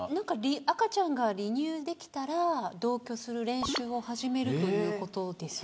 赤ちゃんが離乳できたら同居する練習を始めるということです。